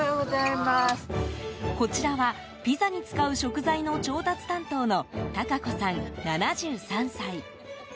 こちらは、ピザに使う食材の調達担当の孝子さん、７３歳。